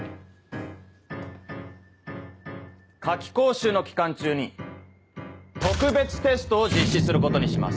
夏期講習の期間中に特別テストを実施することにします。